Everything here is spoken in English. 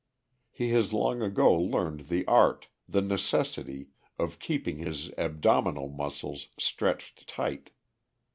He has long ago learned the art, the necessity, of keeping his abdominal muscles stretched tight.